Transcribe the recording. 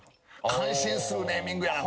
感心するネーミングやな